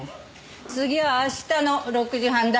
次は明日の６時半だ。